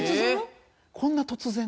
こんな突然？